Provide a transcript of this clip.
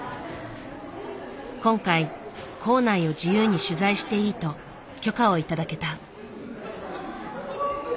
今回校内を自由に取材していいと許可を頂けた。